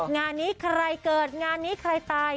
งานนี้ใครเกิดงานนี้ใครตาย